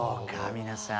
皆さん。